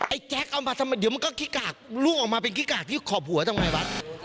แจ๊คเอามาทำไมเดี๋ยวมันก็ขี้กากลูกออกมาเป็นขี้กากที่ขอบหัวทำไมวะ